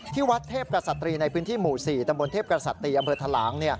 ที่วัดเทพกษัตรีในพื้นที่หมู่๔ตำบลเทพกษัตรีอำเภอทะลาง